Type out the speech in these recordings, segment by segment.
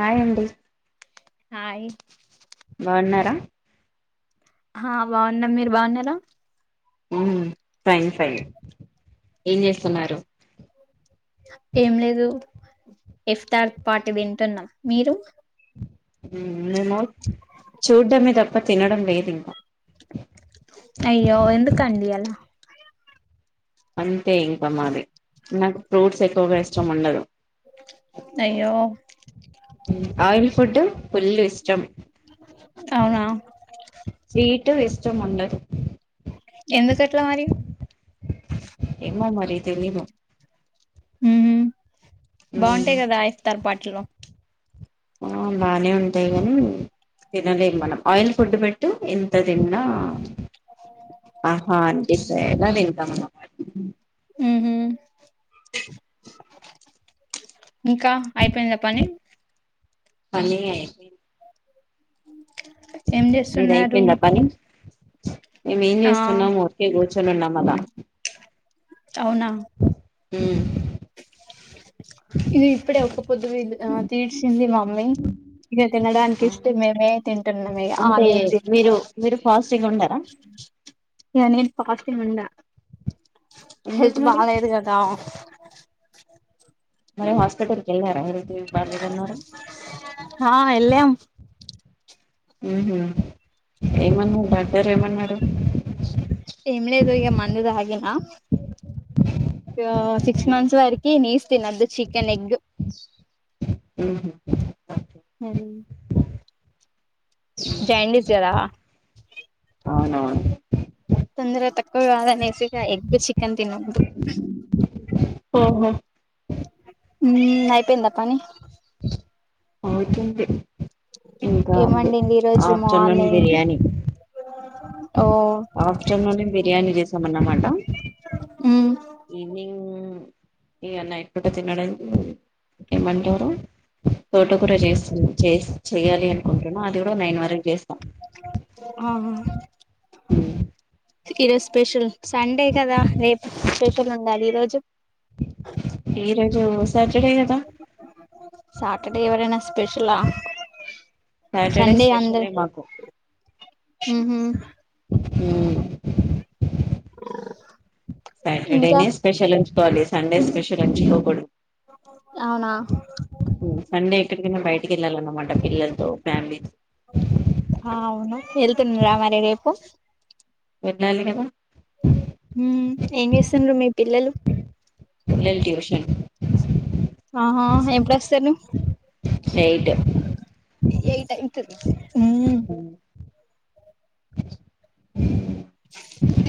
హాయండి హాయ్ బాన్నరా హ బాన్నం మీర్ బాన్నరా హ్మ్ ఫైన్ ఫైన్ ఏం చేస్తున్నారు ఏం లేదు ఇఫ్తార్ పాట వింటున్నాం మీరు ప్ప తినడం లేదింక అయ్యో ఎందుకండి అలా అంతే ఇంకమాది నాకు ఫ్రూట్స్ ఎక్కువగ ఇష్టం ఉండదు అయ్యో ఆయిల్ ఫుడ్డు ఫుల్లు ఇష్టం అవునా స్వీట్ ట్టు ఇష్టముండదు. ఎందుకట్లా మరీ ఏమో మరి తెలీదు ఊహు బాన్టై కద ఇస్తర్ పాట్లొ ఆ బానే ఉంటయ్ గానీ తినలేం మనం ఆయిల్ ఫుడ్ పెట్టు ఎంత తిన్నా ఆహా అంటే ఎలా తింటాం మనం అని మ్ హు ఇంకా ఐపేంద పని పని ఐపేంది ఏం చేస్తున్నారు మీదైపేంద పని మేమ్ ఏం ఆ చేస్తున్నాము ఊర్కే కూర్చొని ఉన్నాం అలా అవునా? మ్ ఇది ఇప్పుడే ఒక పొద్దు ద్ తీర్చింది మమ్మీ ఇక తినడానికి ఇష్ట్ మేమే తింటున్నాం ఇక అంటే ఆమె తిందో మీరు మీరు ఫాస్టింగ్ ఉండారా ఇక నేను పాస్టింగ్ ఉండ ఎందుకు హెల్త్ మరి బాలేదు కదా మరి హాస్పిటల్కి వెళ్లారా ఈ రోతి బాగలేదన్నారు ఆ వెళ్ళాం మ్ హు ఏమన్నారు డాక్టర్ ఏమన్నారు? ఏం లేదు ఇక మందు తాగిన సిక్స్ మంత్స్ వరకి నీస్ తినద్దు. చికెన్ ఎగ్ మ్ హు సరే అండి జైండీస్ కదా? అవునవును తొందర తక్కువ కాదనేసి ఎగ్ చికన్ తినొద్దు ఓహో ఉమ్ ఐపేంద పని అవుతుంది. ఇంకా ఏం ఉంది. వండింది ఈ రోజు ఆఫ్టర్నూన్ మార్నింగ్ బిర్యాని ఓ ఆఫ్టర్నూన్ బిర్యానీ చే మ్ ఈవెనింగ్ ఇక నైట్ పూట తినడం ఏమంటారు తోట కూర చేస్తుంది చేస్ చెయ్యాలి అనుకుంటున్నా అది కూడా నైన్ వరకు చేస్తా. ఆ ఈరోజు స్పెషల్ సండే కదా రేపు స్పెషల్ ఉండాలి ఈరోజు ఈరోజు సాటర్డే కదా సాటర్డే ఎవరైనా స్పెషలా సాటర్డే స్పెషల్లే మాకు మ్ హు మ్ ఆ సాటర్డేనే స్పెషల్ ఉంచుకోవాలి సండే స్పెషల్ ఉంచుకోకూడదు అవునా సండే ఎక్కడికైనా బయటికి వెళ్ళాలన్నమా పిల్లల్తో ఫ్యామిలీ త్ అవును వెళ్తున్నారా మరి రేపు వెళ్లాలి కదా మ్ ఏం చేస్తుండ్రు మీ పిల్లలు పిల్లల్ ట్యూషన్ ఆహా ఎప్పుడు వస్తారు నువ్ ఎయిట్ ఏ టైత్ హ్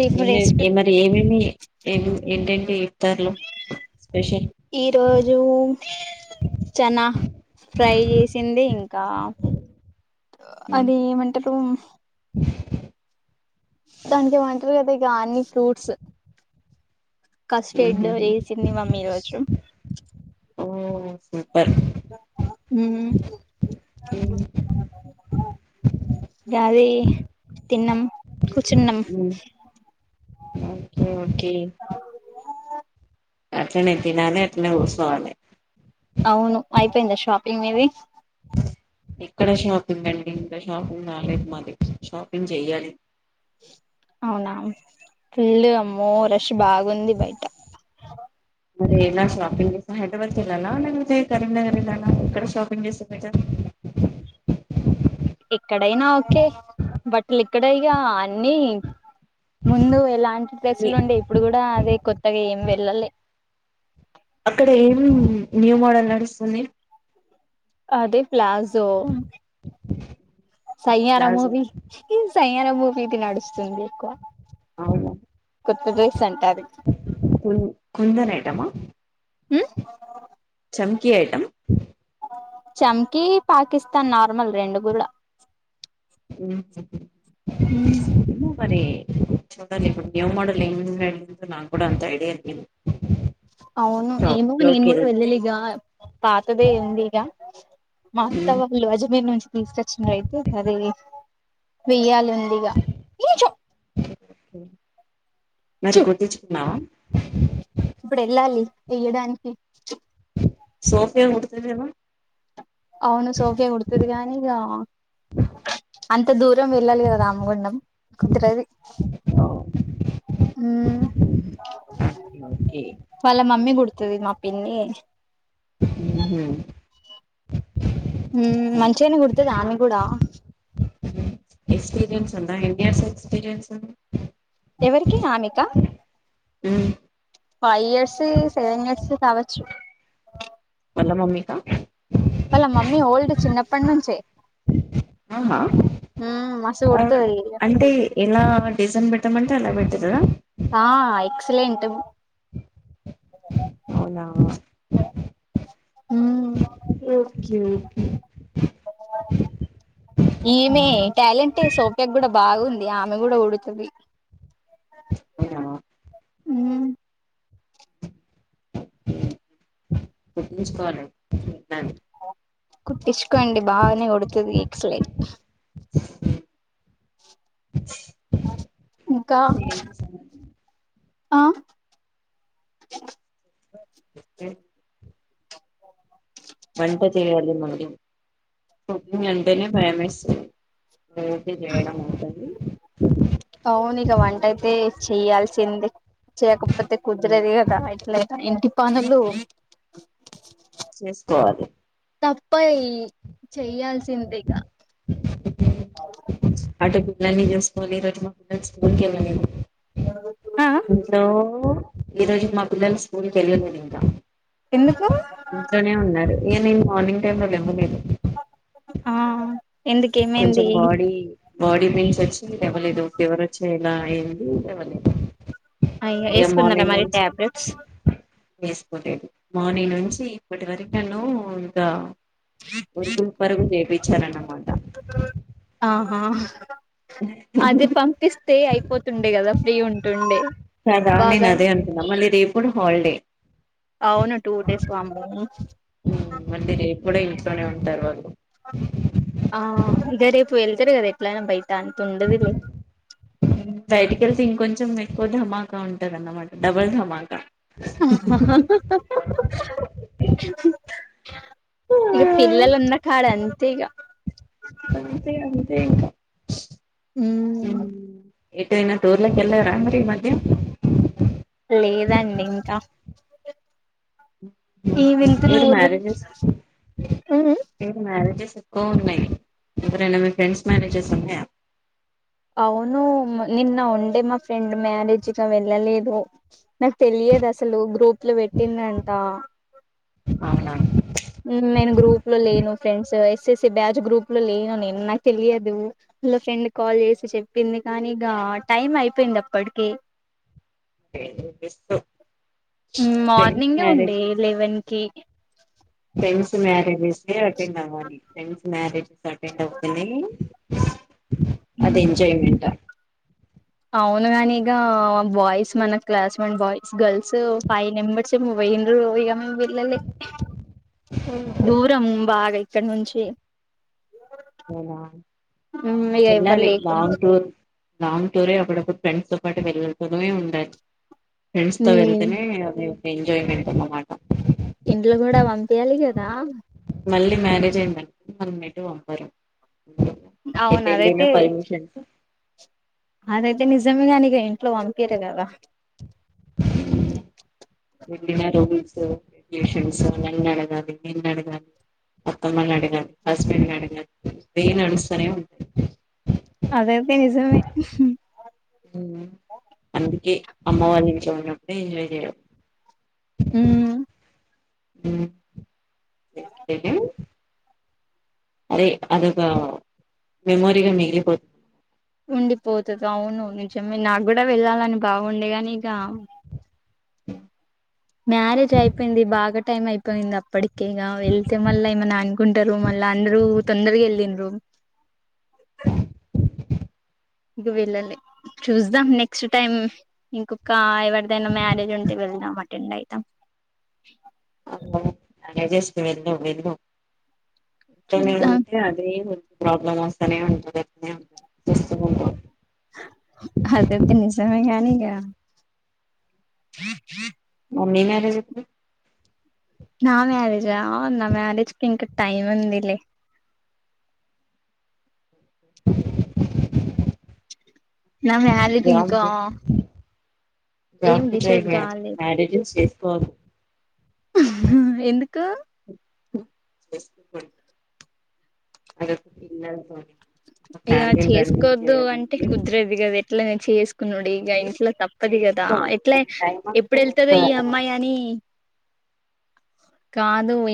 రేపు ఏం రెస్ట్ మరి ఏమేమి ఏ ఏంటంటే ఇఫ్తార్ లో స్పెషల్ ఈ రోజు చేనా ఫ్రై చేసింది ఇంకా అది ఏమంటారు దానికి వంటరుకదా ఇగ అన్ని ఫ్రూట్స్ కస్టర్డ్ చేసింది మమ్మీ ఈ రోజు ఓ సూపర్ హ్మ్ గది తిన్నాం కూచున్నాం ఓకే ఓకే అట్లనే తినాలే అట్లనే కుసోవాలెయ్ అవును అయిపోయిందా షాపింగ్ మీది ఏక్కడ షాపింగ్ అండి ఇంకా షాపింగ్ కాలేదు మాది షాపింగ్ చెయ్యాలి అవునా ఫుల్లు అమ్మో రష్ బాగుంది బయట మరే ఎలా షపింగ్ చెసే హైదరాబాద్ ఏళ్లలలా లేకపోతే కరీంనగర్ ఏళ్లలలా ఏక్కడ షాపింగ్ చేస్తే బెటర్ ఎక్కడైనా ఓకే బట్లీ ఇక్కడే ఇగ అన్ని ముందు ఎలాంటి మీ డ్రెస్సులు ఉండే ఇప్పుడు కూడా అదే కొత్తగా ఏమి వెళ్ళలే అక్కడ ఏం న్యూ మోడల్ నడుస్తుంది అదే palazzo Saiyaara palazzo movie Saiyaara మూవీది నడుస్తుంది ఎక్కువ అవును కొత్త డ్రెస్ అంట అది ఉ కుందన్ ఐటమా హ్ చెమ్కీ ఐటెమ్ చెంకీ పాకిస్తాన్ నార్మల్ రెండు గుడా హ్మ్ హు మరి చూడాలి ఇప్పుడు న్యూ మోడల్ ఏం ఉన్నాయి కూడా అంత ఐడియా లేదు అవును షాప్ ఏమో నేను లోకి కూడా వెళ్తే వెళ్ళలే ఇగ పాతదే ఉంది ఇగ మా అత్త ఉమ్, వాళ్ళు అజమీర్ నుంచి తీసుకొచ్చిన వయితే అదే వెయ్యాలి ఉంది ఇగ మరి కుట్టిచ్చుకున్నావా ఇప్పుడేళ్ళాలి ఇయ్యడానికి సోఫయా కుడుతది కదా అవును సోఫియా కుడుతదిగానీ ఇగా అంత దూరం వెళ్ళాలి కదా రామగుండం కుద్రది హ్మ్ ఓకే ఓకే వాళ్ళ మమ్మీ గుడుత్ తది మా పిన్ని ఉహు ఉహ్ మంచిగానే కుడుతది ఆమె కూడా ఎక్స్పీరియన్స్ ఉందా ఎన్ని ఇయర్స్ ఎక్స్పీరియన్స్ ఉంది ఎవరికి ఆమెకా ఫైవ్ ఇయర్స్ సెవెన్ ఇయర్స్ కావోచ్చు వాళ్ళ మమ్మీకా వాళ్ళ మమ్మీ ఓల్డ్ చిన్నప్పటి నుంచే ఆహా మ్మ్ మస్తు ఆ కుడుతది అంటే ఎలా డిజన్ బెట్ టా మంటే అలా పెట్టితదా ఆ ఎక్సలెంటు అవునా మ్మ్ ఓకే ఓకే ఈమె టాలెంటే సోఫ్యా కూడా బాగుంది. ఆమె గూడా గుడుతది. అవునా ఉమ్మ్ కుట్టుపిచ్చుకోవాలి వెళ్ళాలి కుట్టించుకోండి. బాగానే కుడుతుంది ఎక్స్లట్ ఇంకా ఏంటి సంగతి? ఆ హు వంట చేయాలి మది కుకింగ్ అంటేనే భయమేస్తుంది. [unintelligible] చేయడం అవుతది అవునీక వంటయితే చెయ్యాల్సిందే. చేయకపోతే ఉమ్, కుదరది గదా ఇట్లత్ ఇంటి పనులు చేస్కోవాలి తప్పయ్ చెయ్యాల్సిందేగా. నులన్నీ చేసుకొని. ఆ ఆ ఈ రోజు మా పిల్లల్ని స్కూల్ కెల్లలేదింకా. ఎందుకు ఇగ నేన్ మార్నింగ్ టైం లో లేవ్వలేదు ఆ ఎందుక్ కొంచెం ఏమైంది. బాడీ బాడీ పేయిన్స్ వచ్చి లేవలేదు. ఫీవర్ వచ్చి ఇలా అయింది లేవలేదు. అయ్యో ఈగ వేసుకున్నారా మార్నింగ్ మరి నుంచి టాబ్లెట్స్ వేసుకోలేదు. మార్నింగ్ నుంచి ఇప్పటి వరకు నన్ను దా ఉరుకులు పరుగు చేయిపిచ్చారాన్నమట్ ఆహా అదే పంపిస్తే అయిపోతుండే గాదా. ఫ్రీ ఉంటుండే కదా నేను బాగా అదే అన్కున్నా. మళ్ళీ రేపు కూడా హాల్డే అవునా టూ డేస్ వామ్మో ఉమ్ మళ్ళీ రేపు కూడా ఇంట్లోనే ఉంటారు వాళ్ళు. ఆ ఇద రేపు వెళ్తారు కదా. ఎట్ల అయినా బయట్ బయటికేళ్తే ఇంకొంచెం క్కువ డమాకా ఉంటదన్నమాట. డబల్ ధమాక ఆ ఇగా పిల్లలుంన్నకాడ అంతే ఇగా అంతే అంతే ఇంకా ఉమ్, ఎటైనా టూర్లకేళ్లారా మరి ఈ మధ్య లేదండి ఇంక ఈ వెళ్తురు ఏడు ఊర్లక్ మ్యారేజెస్ ఉహ్ హు కోవ్న్నయి ఎవరైనా మీ ఫ్రెండ్స్ మ్యారేజెస్ ఉన్నాయా. అవును నిన్న ఉండే మా ఫ్రెండ్ మ్యారేజ్గా వెళ్లలేదు. నాక్ తెలి యాదసలు గ్రూప్ లో పెట్టిందంటా. అవునా ఉమ్ నేను గ్రూప్ లో లేను friends A S. S batch group లో లేను నేను నాకు తెలియదు. అల్లో ఫ్రెండ్ కాల్ చేసి చెప్పింది. కానీ ఇగ. ఆ టైం అయిపోయింది. అప్పడ్కి అ యూ మార్నింగే ఉండే లెవెన్ కి ఫ్రెండ్స్ మ్యారేజెస్ కె అటెండ్ అవ్వాలి ఫ్రెండ్స్ మ్యారేజెస్ అటెండ్ అవుతనే అది ఎంజాయ్మెంట్ ఆ అవును కానీ ఇక బాయ్స్ మన క్లాస్ మేన్ బాయ్స్ గర్ల్స్ ఫైవ్ మెంబర్స్ ఏమో పోయిండ్రు టో ఈగ మిన్ వెళ్ళలే దూరం బాగా ఇక్కడ నుంచి ఏనా ఇక ఎవ్వరు వెళ్ళాలి లేకుండా లాంగ్ టూర్ లాంగ్ టూర్ ఎ అప్పుడప్పుడు ఫ్రెండ్స్ తో పాటు వెల్లలపోవడమే ఉండాలి ఫ్రెండ్స్ తో వెళ్తేనే అది. ఒక ఎంజాయ్మెంట్ అన్నమాట. ఇంట్లో కూడా పంపియ్యాలి కదా మళ్ళీ మ్యారేజ్ అయ్యిందంటే మనల్ని ఎటు పంపరు అవును ఎటెళ్ళినా అదైతే పర్మిషన్స్ అదైతే నిజమే కాని ఇక ఇంట్లో పంపియ్యరు కదా వెళ్ళినా రూల్స్ రెగ్యులేషన్స్ నన్ను అడగాలి నిన్ను అడగాలి అత్తమ్మ నీ అడగాలి హస్బెండ్ని అడిగాలి ఇవే నడుస్తనే ఉన్ అదైతే నిజమే యూ అందుకే అమ్మవారి ఇంట్లో ఉన్నప్పుడే ఎంజాయ్ చేయలి ఊ ఎ ఏంది అరే అదొక మెమోరీగా మిగిలిపోత్ ఉండిపోతుంద అవును నిజమే నాకు కూడా వెళ్ళాలని బాగుండే గాని ఇక మ్యారేజ్ అయిపోయింది బాగా టైం అయిపోయింది అప్పట కింగా వెళ్తే మళ్ళా ఏమన్నా అనుకుంటారు మళ్ళా అందరూ తొందరగా వెళ్ళిండ్రు ఇగ వెల్లలే చూద్దాం నెక్స్ట్ టైం ఇంకొక ఎవరిదైనా మ్యారేజ్ ఉంటే వెళ్దాం అటెండ్ అయితాం అ జస్ట్ వెళ్ళు వెళ్ళు ఇంట్లో నే చూద్దాం ఉంటే అదే ఉ ప్రాబ్లం వస్తానే ఉంటది [unintelligible] అదైతే నిజమే కానీ ఇగ మా మీ మ్యారేజ్ ఎప్పు నా మ్యారేజా నా మ్యారేజ్కి ఇంకా టైమ్ ఉందిలే నా మ్యారేజ్ జాబ్ ఇంకా జే ఏం జాబ్ కి ట్రై డిసైడ్ చేయండి కాలేదు మ్యారేజ్ చేసు కోదు హుహు ఎందుకు స అదంతా పిల్లలతో నే ఇక ఫ్యామిలీ రన్నింగ్ చేసుకోవద్దు చేయాలంటే కన్నోడో ఇక చే ఇంట్లో తప్పది కదా ఎట్ల చేసుకోవాలి టైం ఎప్పుడు అంటూ వెళ్తదో ఈ వస్తదన్నమాట అమ్మాయి అని కాదు ఇన్